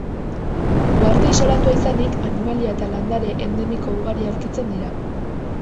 Uharte isolatua izanik, animalia eta landare endemiko ugari aurkitzen dira.